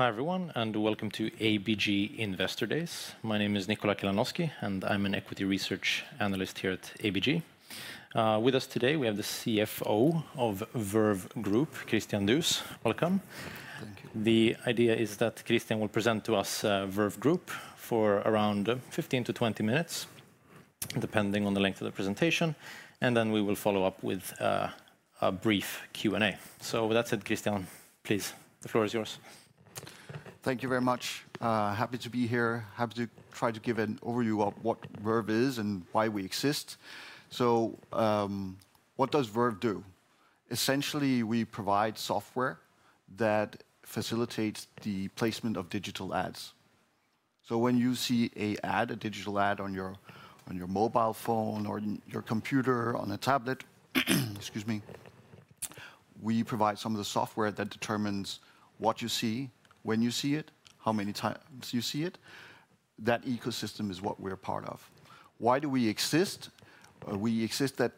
Hi everyone, and welcome to ABG Investor Days. My name is Nikola Kilaunovski, and I'm an equity research analyst here at ABG. With us today, we have the CFO of Verve Group, Christian Duus. Welcome. Thank you. The idea is that Christian will present to us Verve Group for around 15-20 minutes, depending on the length of the presentation, and then we will follow up with a brief Q&A. With that said, Christian, please, the floor is yours. Thank you very much. Happy to be here. Happy to try to give an overview of what Verve is and why we exist. What does Verve do? Essentially, we provide software that facilitates the placement of digital ads. When you see a digital ad on your mobile phone or your computer, on a tablet, excuse me, we provide some of the software that determines what you see, when you see it, how many times you see it. That ecosystem is what we are part of. Why do we exist? We exist that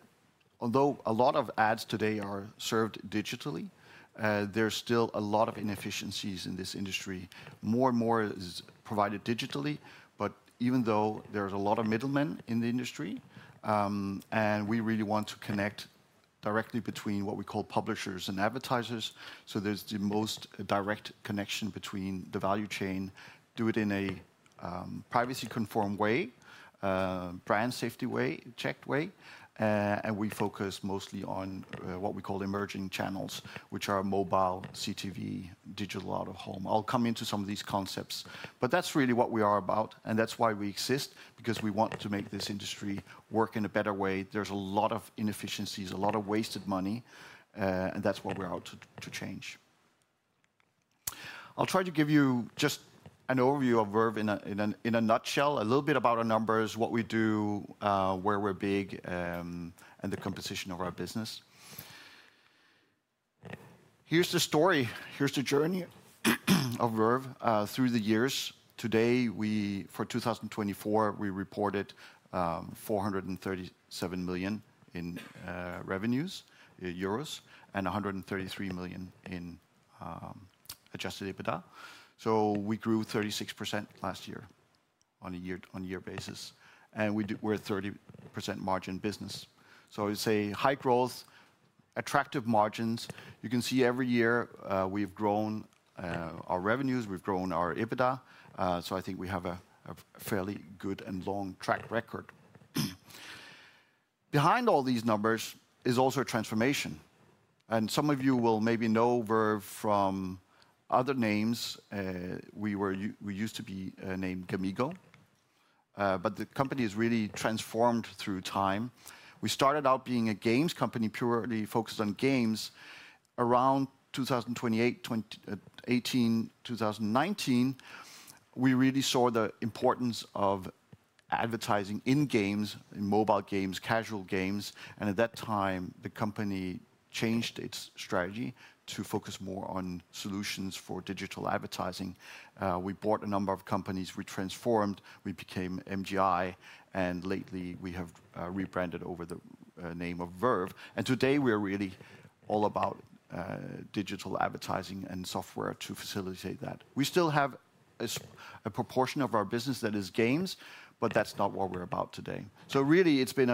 although a lot of ads today are served digitally, there are still a lot of inefficiencies in this industry. More and more is provided digitally, but even though there's a lot of middlemen in the industry, we really want to connect directly between what we call publishers and advertisers, so there's the most direct connection between the value chain, do it in a privacy-conformed way, brand safety checked way, and we focus mostly on what we call emerging channels, which are mobile, CTV, digital out of home. I'll come into some of these concepts, but that's really what we are about, and that's why we exist, because we want to make this industry work in a better way. There's a lot of inefficiencies, a lot of wasted money, and that's what we're out to change. I'll try to give you just an overview of Verve in a nutshell, a little bit about our numbers, what we do, where we're big, and the composition of our business. Here's the story. Here's the journey of Verve through the years. Today, for 2024, we reported 437 million in revenues, and 133 million euros in adjusted EBITDA. We grew 36% last year on a year-on-year basis, and we're a 30% margin business. I would say high growth, attractive margins. You can see every year we've grown our revenues, we've grown our EBITDA, so I think we have a fairly good and long track record. Behind all these numbers is also a transformation. Some of you will maybe know Verve from other names. We used to be named Gamigo, but the company has really transformed through time. We started out being a games company, purely focused on games. Around 2018-2019, we really saw the importance of advertising in games, in mobile games, casual games, and at that time, the company changed its strategy to focus more on solutions for digital advertising. We bought a number of companies, we transformed, we became MGI, and lately we have rebranded over the name of Verve. Today we're really all about digital advertising and software to facilitate that. We still have a proportion of our business that is games, but that's not what we're about today. Really it's been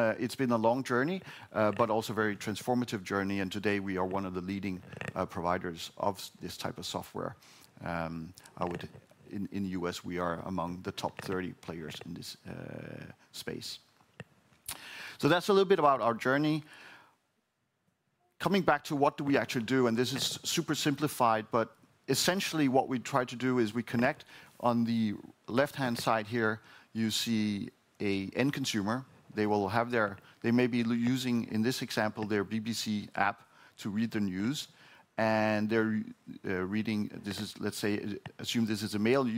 a long journey, but also a very transformative journey, and today we are one of the leading providers of this type of software. In the US, we are among the top 30 players in this space. That's a little bit about our journey. Coming back to what do we actually do, and this is super simplified, but essentially what we try to do is we connect. On the left-hand side here, you see an end consumer. They will have their, they may be using, in this example, their BBC app to read the news, and they're reading, this is, let's say, assume this is a male,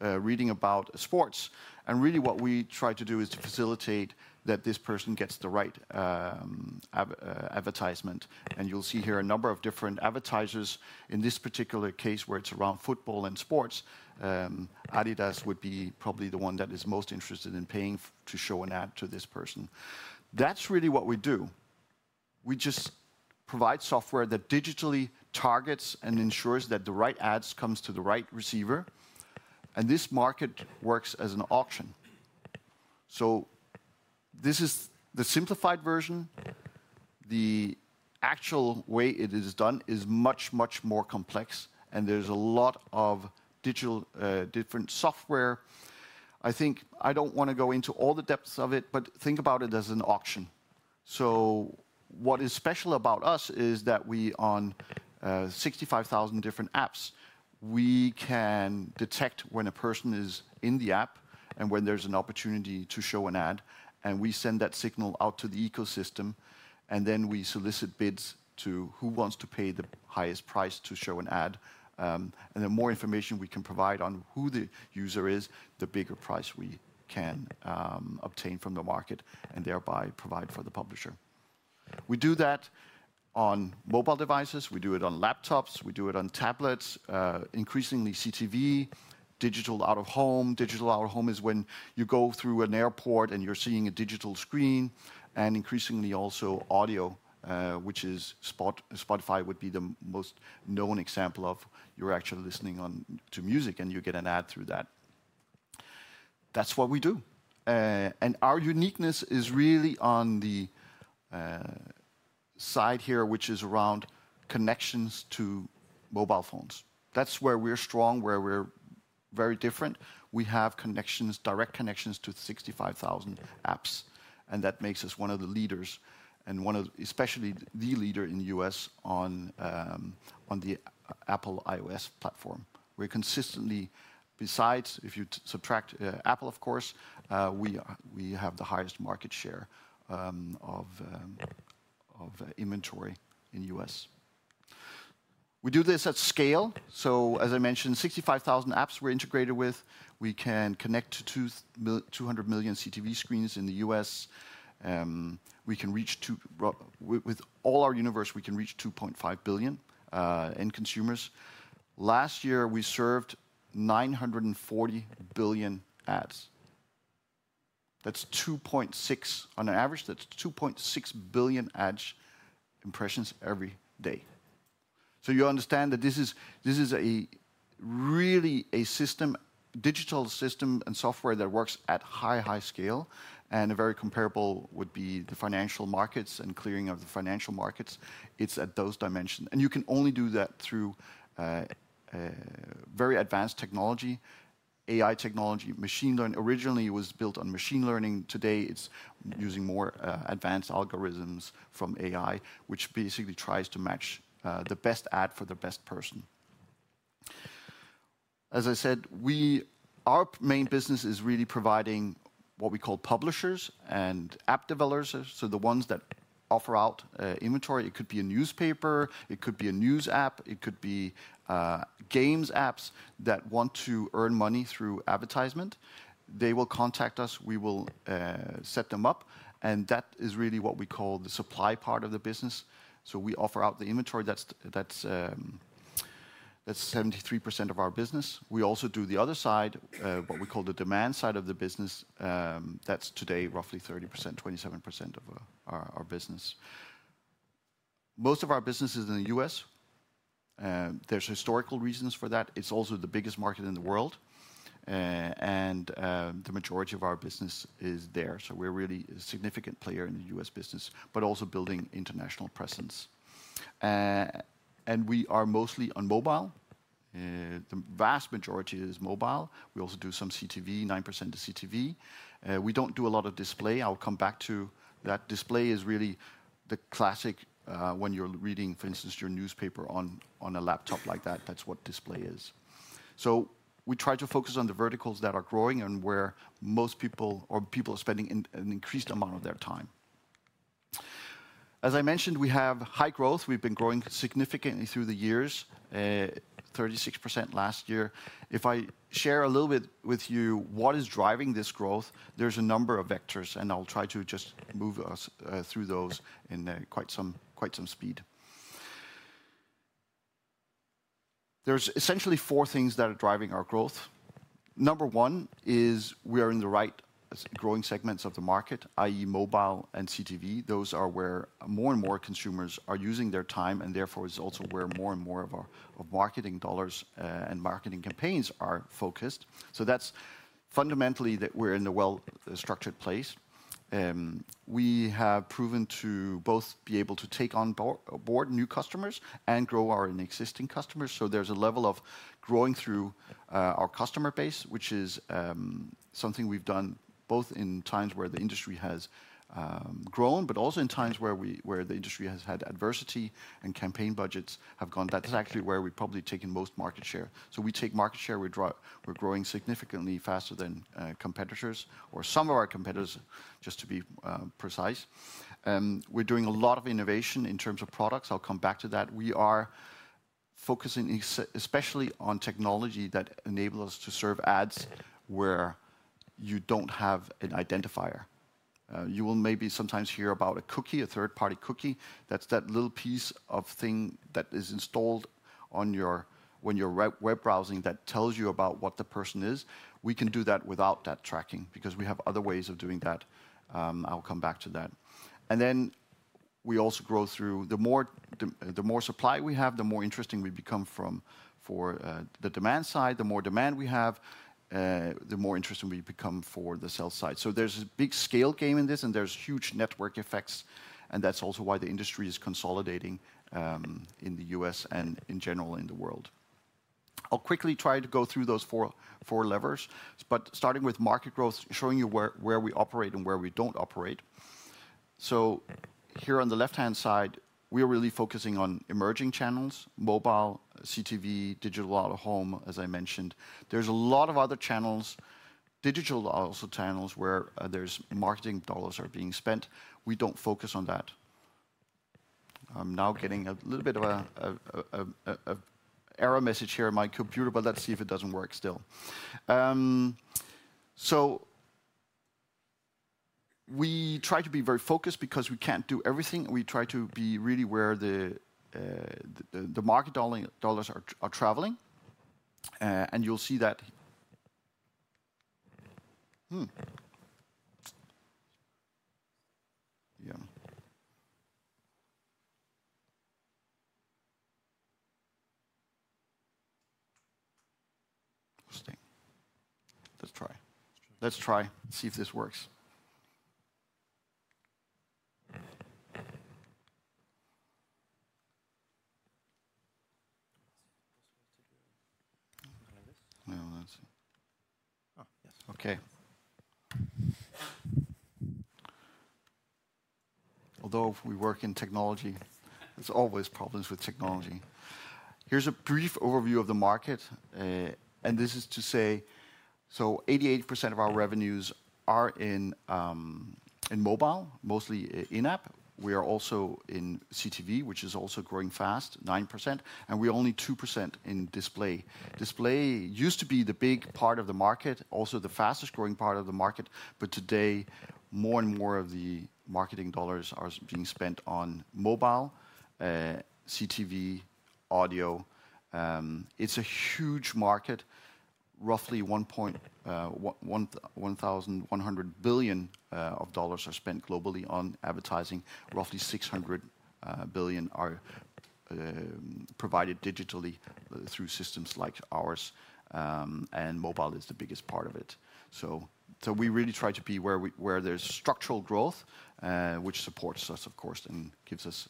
reading about sports. Really what we try to do is to facilitate that this person gets the right advertisement. You'll see here a number of different advertisers. In this particular case, where it's around football and sports, Adidas would be probably the one that is most interested in paying to show an ad to this person. That's really what we do. We just provide software that digitally targets and ensures that the right ads come to the right receiver, and this market works as an auction. This is the simplified version. The actual way it is done is much, much more complex, and there is a lot of different software. I think I do not want to go into all the depths of it, but think about it as an auction. What is special about us is that we, on 65,000 different apps, can detect when a person is in the app and when there is an opportunity to show an ad, and we send that signal out to the ecosystem, and then we solicit bids to who wants to pay the highest price to show an ad. The more information we can provide on who the user is, the bigger price we can obtain from the market and thereby provide for the publisher. We do that on mobile devices, we do it on laptops, we do it on tablets, increasingly CTV, digital out of home. Digital out of home is when you go through an airport and you are seeing a digital screen, and increasingly also audio, which is Spotify would be the most known example of. You are actually listening to music and you get an ad through that. That is what we do. Our uniqueness is really on the side here, which is around connections to mobile phones. That is where we are strong, where we are very different. We have connections, direct connections to 65,000 apps, and that makes us one of the leaders, and especially the leader in the US on the Apple iOS platform. We're consistently, besides, if you subtract Apple, of course, we have the highest market share of inventory in the US. We do this at scale. As I mentioned, 65,000 apps we're integrated with. We can connect to 200 million CTV screens in the US. We can reach, with all our universe, we can reach 2.5 billion end consumers. Last year, we served 940 billion ads. That's 2.6, on average, that's 2.6 billion ad impressions every day. You understand that this is really a system, digital system and software that works at high, high scale, and very comparable would be the financial markets and clearing of the financial markets. It's at those dimensions. You can only do that through very advanced technology, AI technology, machine learning. Originally, it was built on machine learning. Today, it's using more advanced algorithms from AI, which basically tries to match the best ad for the best person. As I said, our main business is really providing what we call publishers and app developers, so the ones that offer out inventory. It could be a newspaper, it could be a news app, it could be games apps that want to earn money through advertisement. They will contact us, we will set them up, and that is really what we call the supply part of the business. We offer out the inventory. That's 73% of our business. We also do the other side, what we call the demand side of the business. That's today roughly 30%, 27% of our business. Most of our business is in the US. There's historical reasons for that. It's also the biggest market in the world, and the majority of our business is there. We are really a significant player in the US business, but also building international presence. We are mostly on mobile. The vast majority is mobile. We also do some CTV, 9% of CTV. We do not do a lot of display. I'll come back to that. Display is really the classic when you're reading, for instance, your newspaper on a laptop like that. That's what display is. We try to focus on the verticals that are growing and where most people are spending an increased amount of their time. As I mentioned, we have high growth. We've been growing significantly through the years, 36% last year. If I share a little bit with you what is driving this growth, there's a number of vectors, and I'll try to just move us through those in quite some speed. There's essentially four things that are driving our growth. Number one is we are in the right growing segments of the market, i.e., mobile and CTV. Those are where more and more consumers are using their time, and therefore it's also where more and more of our marketing dollars and marketing campaigns are focused. That's fundamentally that we're in a well-structured place. We have proven to both be able to take on board new customers and grow our existing customers. There's a level of growing through our customer base, which is something we've done both in times where the industry has grown, but also in times where the industry has had adversity and campaign budgets have gone. That's actually where we've probably taken most market share. We take market share. We're growing significantly faster than competitors, or some of our competitors, just to be precise. We're doing a lot of innovation in terms of products. I'll come back to that. We are focusing especially on technology that enables us to serve ads where you don't have an identifier. You will maybe sometimes hear about a cookie, a third-party cookie. That's that little piece of thing that is installed when you're web browsing that tells you about what the person is. We can do that without that tracking because we have other ways of doing that. I'll come back to that. We also grow through the more supply we have, the more interesting we become for the demand side. The more demand we have, the more interesting we become for the sell side. There's a big scale game in this, and there's huge network effects, and that's also why the industry is consolidating in the US and in general in the world. I'll quickly try to go through those four levers, but starting with market growth, showing you where we operate and where we don't operate. Here on the left-hand side, we're really focusing on emerging channels, mobile, CTV, digital out of home, as I mentioned. There's a lot of other channels, digital also channels where marketing dollars are being spent. We don't focus on that. I'm now getting a little bit of an error message here on my computer, but let's see if it doesn't work still. We try to be very focused because we can't do everything. We try to be really where the market dollars are traveling, and you'll see that. Let's try. Let's try. See if this works. Okay. Although we work in technology, there's always problems with technology. Here's a brief overview of the market, and this is to say, 88% of our revenues are in mobile, mostly in-app. We are also in CTV, which is also growing fast, 9%, and we're only 2% in display. Display used to be the big part of the market, also the fastest growing part of the market, but today more and more of the marketing dollars are being spent on mobile, CTV, audio. It's a huge market. Roughly $1,100 billion are spent globally on advertising. Roughly $600 billion are provided digitally through systems like ours, and mobile is the biggest part of it. We really try to be where there's structural growth, which supports us, of course, and gives us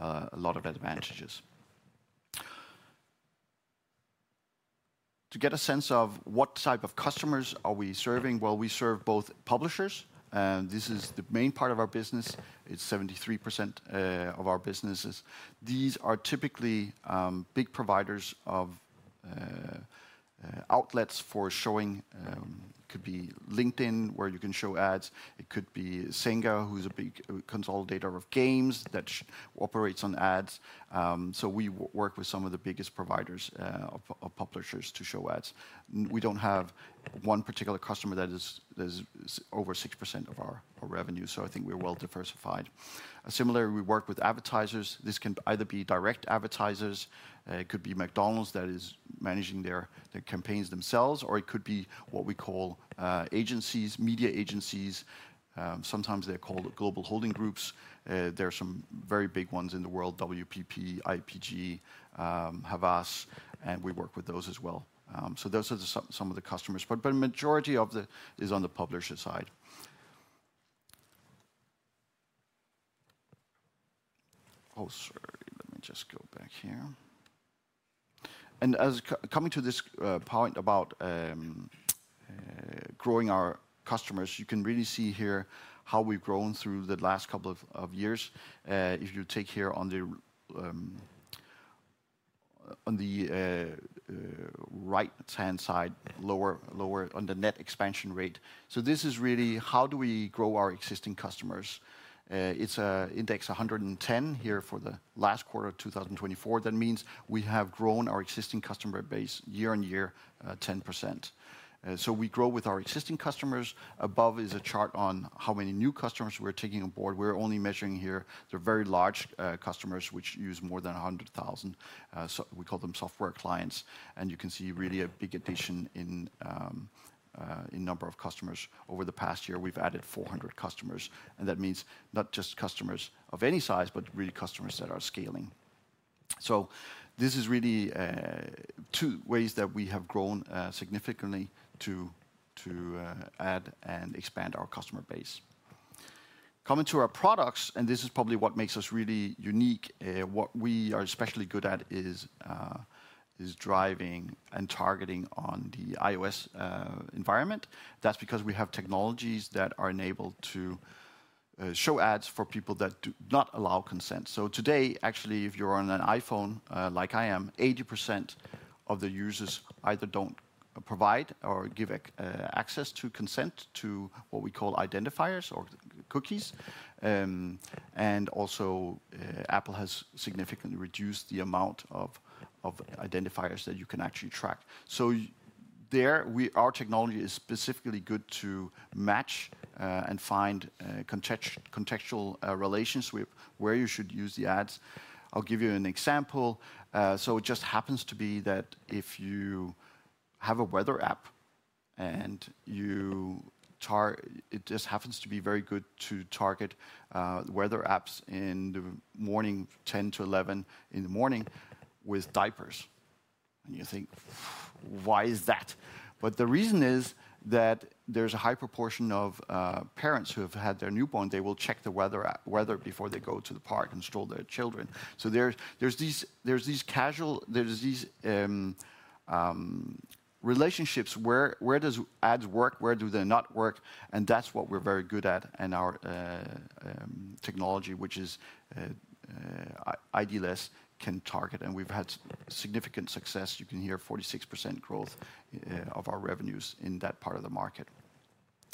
a lot of advantages. To get a sense of what type of customers are we serving, we serve both publishers. This is the main part of our business. It's 73% of our business. These are typically big providers of outlets for showing. It could be LinkedIn, where you can show ads. It could be Senga, who's a big consolidator of games that operates on ads. We work with some of the biggest providers of publishers to show ads. We don't have one particular customer that is over 6% of our revenue, so I think we're well diversified. Similarly, we work with advertisers. This can either be direct advertisers. It could be McDonald's that is managing their campaigns themselves, or it could be what we call agencies, media agencies. Sometimes they're called global holding groups. There are some very big ones in the world, WPP, IPG, Havas, and we work with those as well. Those are some of the customers, but the majority of it is on the publisher side. Oh, sorry, let me just go back here. Coming to this point about growing our customers, you can really see here how we've grown through the last couple of years. If you take here on the right-hand side, lower on the net expansion rate. This is really how do we grow our existing customers. It's an index 110 here for the last quarter of 2024. That means we have grown our existing customer base year on year 10%. We grow with our existing customers. Above is a chart on how many new customers we're taking on board. We're only measuring here the very large customers, which use more than 100,000. We call them software clients. You can see really a big addition in number of customers. Over the past year, we have added 400 customers. That means not just customers of any size, but really customers that are scaling. This is really two ways that we have grown significantly to add and expand our customer base. Coming to our products, and this is probably what makes us really unique. What we are especially good at is driving and targeting on the iOS environment. That is because we have technologies that are enabled to show ads for people that do not allow consent. Today, actually, if you are on an iPhone like I am, 80% of the users either do not provide or give access to consent to what we call identifiers or cookies. Also, Apple has significantly reduced the amount of identifiers that you can actually track. Our technology is specifically good to match and find contextual relations where you should use the ads. I'll give you an example. It just happens to be that if you have a weather app and you target, it just happens to be very good to target weather apps in the morning, 10:00-11:00 A.M., with diapers. You think, why is that? The reason is that there's a high proportion of parents who have had their newborn. They will check the weather before they go to the park and stroll their children. There are these relationships. Where do ads work? Where do they not work? That's what we're very good at and our technology, which is IDLS, can target. We've had significant success. You can hear 46% growth of our revenues in that part of the market.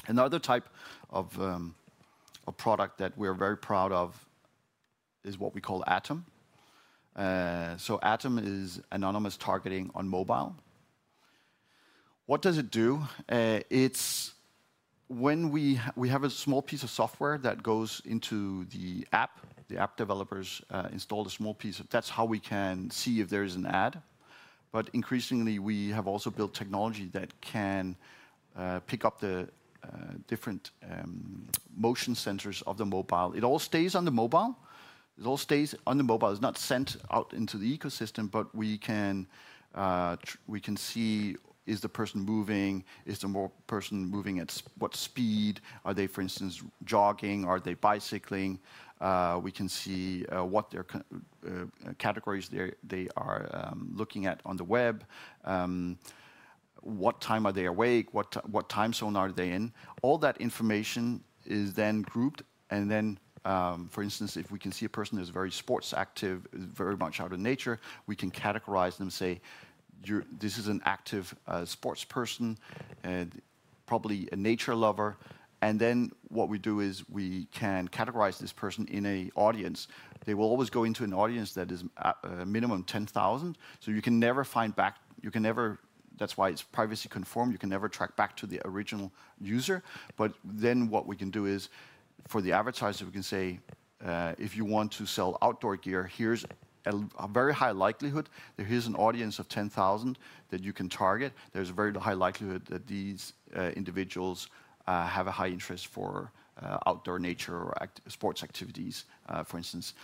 Another type of product that we're very proud of is what we call Atom. Atom is anonymous targeting on mobile. What does it do? We have a small piece of software that goes into the app, the app developers install a small piece. That is how we can see if there is an ad. Increasingly, we have also built technology that can pick up the different motion sensors of the mobile. It all stays on the mobile. It all stays on the mobile. It is not sent out into the ecosystem, but we can see is the person moving? Is the person moving at what speed? Are they, for instance, jogging? Are they bicycling? We can see what categories they are looking at on the web. What time are they awake? What time zone are they in? All that information is then grouped. For instance, if we can see a person who's very sports active, very much out in nature, we can categorize them and say, this is an active sports person, probably a nature lover. What we do is we can categorize this person in an audience. They will always go into an audience that is a minimum of 10,000. You can never find back. That's why it's privacy conformed. You can never track back to the original user. What we can do is for the advertiser, we can say, if you want to sell outdoor gear, here's a very high likelihood. There is an audience of 10,000 that you can target. There's a very high likelihood that these individuals have a high interest for outdoor nature or sports activities, for instance.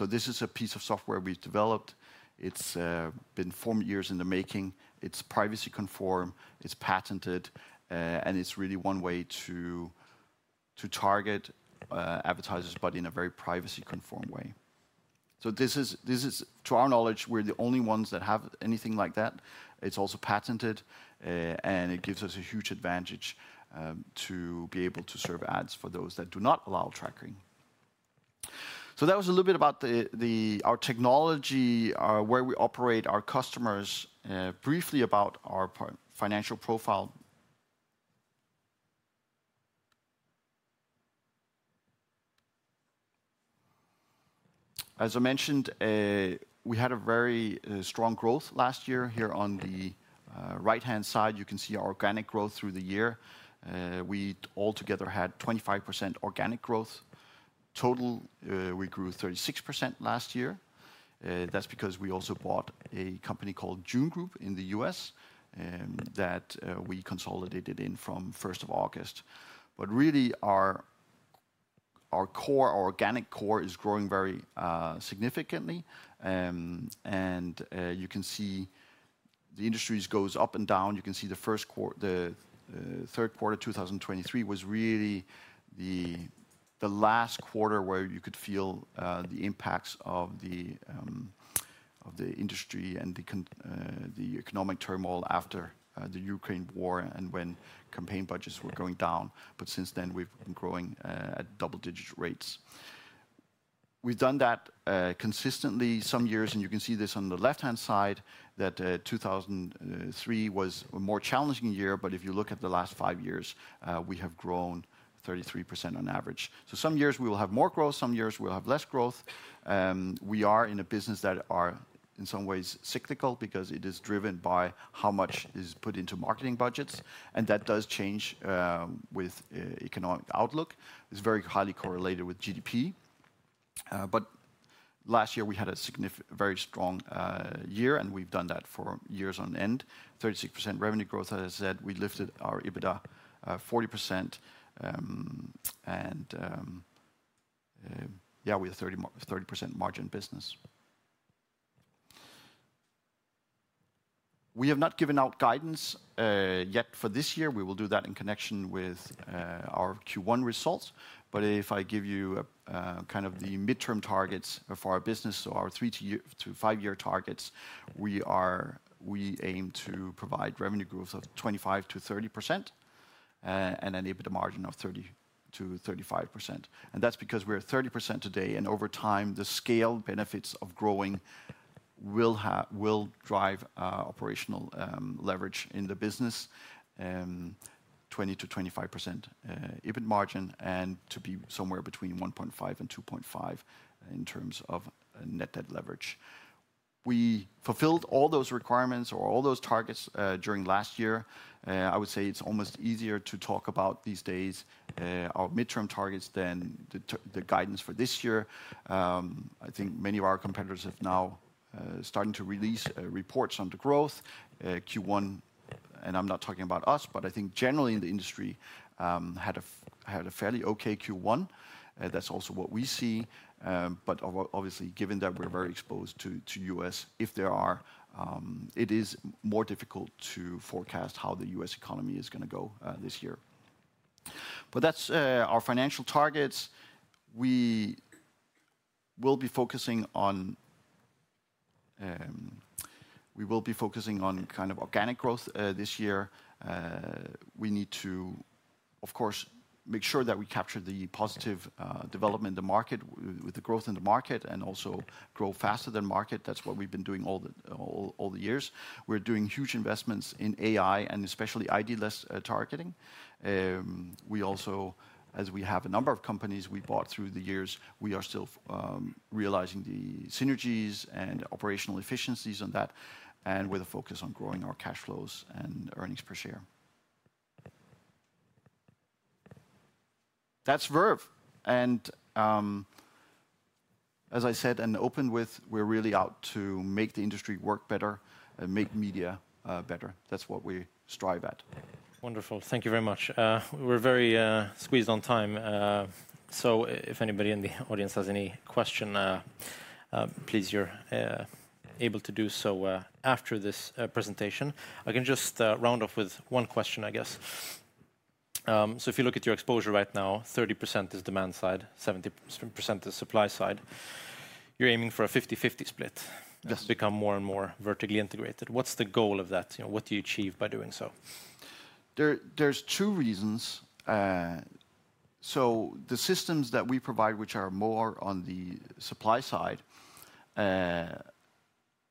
This is a piece of software we've developed. It's been four years in the making. It's privacy conformed. It's patented. And it's really one way to target advertisers, but in a very privacy conformed way. This is, to our knowledge, we're the only ones that have anything like that. It's also patented, and it gives us a huge advantage to be able to serve ads for those that do not allow tracking. That was a little bit about our technology, where we operate our customers. Briefly about our financial profile. As I mentioned, we had a very strong growth last year. Here on the right-hand side, you can see our organic growth through the year. We altogether had 25% organic growth. Total, we grew 36% last year. That's because we also bought a company called Jun Group in the US that we consolidated in from 1 August. Really, our organic core is growing very significantly. You can see the industry goes up and down. You can see the third quarter of 2023 was really the last quarter where you could feel the impacts of the industry and the economic turmoil after the Ukraine war and when campaign budgets were going down. Since then, we've been growing at double-digit rates. We've done that consistently some years, and you can see this on the left-hand side that 2023 was a more challenging year. If you look at the last five years, we have grown 33% on average. Some years we will have more growth. Some years we'll have less growth. We are in a business that is in some ways cyclical because it is driven by how much is put into marketing budgets. That does change with economic outlook. It's very highly correlated with GDP. Last year, we had a very strong year, and we've done that for years on end. 36% revenue growth, as I said. We lifted our EBITDA 40%. Yeah, we have a 30% margin business. We have not given out guidance yet for this year. We will do that in connection with our Q1 results. If I give you kind of the midterm targets for our business, so our three- to five-year targets, we aim to provide revenue growth of 25%-30% and an EBITDA margin of 30%-35%. That's because we're at 30% today. Over time, the scale benefits of growing will drive operational leverage in the business, 20%-25% EBITDA margin, and to be somewhere between 1.5-2.5 in terms of net debt leverage. We fulfilled all those requirements or all those targets during last year. I would say it's almost easier to talk about these days, our midterm targets, than the guidance for this year. I think many of our competitors have now started to release reports on the growth. Q1, and I'm not talking about us, but I think generally in the industry had a fairly okay Q1. That's also what we see. Obviously, given that we're very exposed to the US, it is more difficult to forecast how the US economy is going to go this year. That's our financial targets. We will be focusing on kind of organic growth this year. We need to, of course, make sure that we capture the positive development in the market with the growth in the market and also grow faster than market. That's what we've been doing all the years. We're doing huge investments in AI and especially IDLS targeting. We also, as we have a number of companies we bought through the years, we are still realizing the synergies and operational efficiencies on that and with a focus on growing our cash flows and earnings per share. That's Verve. As I said and opened with, we're really out to make the industry work better and make media better. That's what we strive at. Wonderful. Thank you very much. We're very squeezed on time. If anybody in the audience has any question, please you're able to do so after this presentation. I can just round off with one question, I guess. If you look at your exposure right now, 30% is demand side, 70% is supply side. You're aiming for a 50-50 split to become more and more vertically integrated. What's the goal of that? What do you achieve by doing so? There's two reasons. The systems that we provide, which are more on the supply side,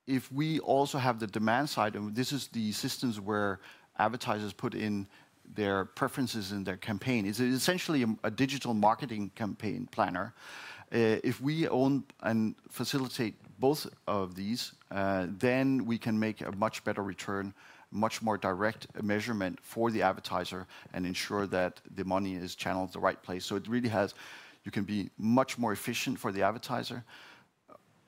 if we also have the demand side, and this is the systems where advertisers put in their preferences in their campaign, it's essentially a digital marketing campaign planner. If we own and facilitate both of these, then we can make a much better return, much more direct measurement for the advertiser and ensure that the money is channeled the right place. It really has, you can be much more efficient for the advertiser.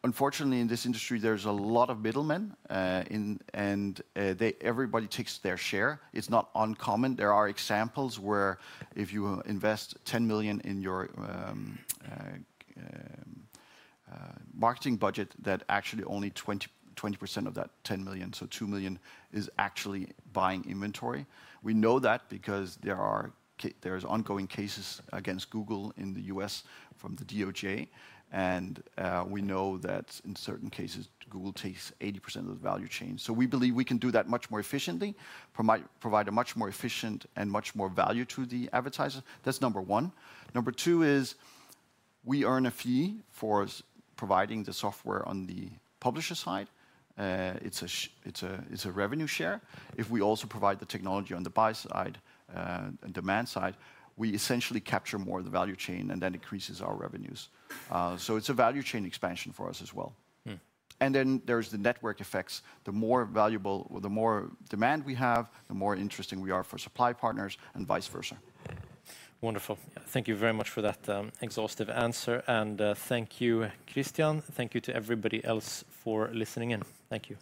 Unfortunately, in this industry, there's a lot of middlemen, and everybody takes their share. It's not uncommon. There are examples where if you invest $10 million in your marketing budget, that actually only 20% of that $10 million, so $2 million, is actually buying inventory. We know that because there are ongoing cases against Google in the U.S. from the DOJ. We know that in certain cases, Google takes 80% of the value chain. We believe we can do that much more efficiently, provide a much more efficient and much more value to the advertiser. That's number one. Number two is we earn a fee for providing the software on the publisher side. It's a revenue share. If we also provide the technology on the buy side and demand side, we essentially capture more of the value chain and that increases our revenues. It is a value chain expansion for us as well. There are the network effects. The more demand we have, the more interesting we are for supply partners and vice versa. Wonderful. Thank you very much for that exhaustive answer. Thank you, Christian. Thank you to everybody else for listening in. Thank you.